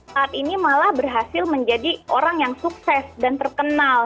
saat ini malah berhasil menjadi orang yang sukses dan terkenal